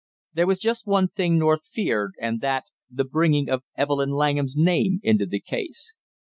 There was just one thing North feared, and that the bringing of Evelyn Langham's name into the case.